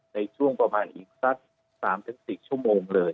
ในช่วงประมาณอีกสัก๓๔ชั่วโมงเลย